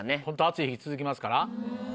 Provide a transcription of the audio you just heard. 暑い日続きますから。